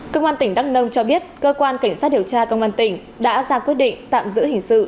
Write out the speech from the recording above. công an tỉnh đắk nông cho biết cơ quan cảnh sát điều tra công an tỉnh đã ra quyết định tạm giữ hình sự